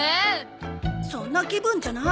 そんな気分じゃない。